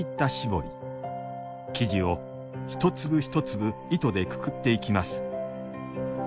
生地を一粒一粒糸でくくっていきます。